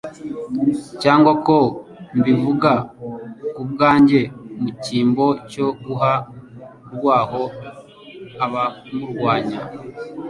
cyangwa ko mbivuga ku bwanjye. Mu cyimbo cyo guha urwaho abamurwanya,